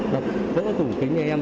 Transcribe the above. vẫn có tủ kính nhà em